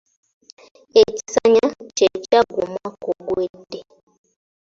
Ekisanya kye kyaggwa omwaka oguwedde.